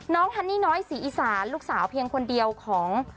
ฮันนี่น้อยศรีอีสานลูกสาวเพียงคนเดียวของ